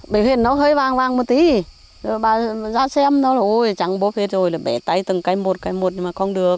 bởi vì nó hơi vàng vàng một tí bà ra xem thôi chẳng bố phê rồi bẻ tay từng cây một cây một mà không được